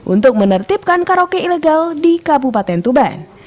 untuk menertibkan karaoke ilegal di kabupaten tuban